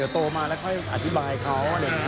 เดี๋ยวโตมาแล้วค่อยอธิบายเขา